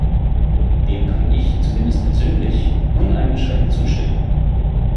Dem kann ich zumindest persönlich uneingeschränkt zustimmen.